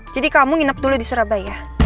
jadi kamu nginep dulu di surabaya